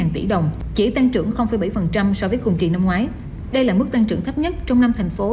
ba trăm sáu mươi tỷ đồng chỉ tăng trưởng bảy so với cùng kỳ năm ngoái đây là mức tăng trưởng thấp nhất trong năm thành phố